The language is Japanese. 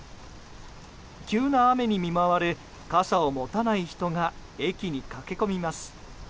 急な雨に見舞われ傘を持たない人が駅に駆け込みます。